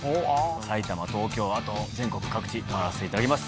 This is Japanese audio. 埼玉東京あと全国各地回らせていただきます。